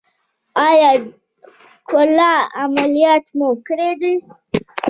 ایا ښکلا عملیات مو کړی دی؟